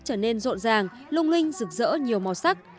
trở nên rộn ràng lung linh rực rỡ nhiều màu sắc